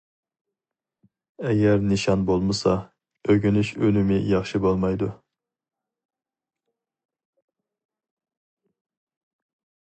ئەگەر نىشان بولمىسا، ئۆگىنىش ئۈنۈمى ياخشى بولمايدۇ.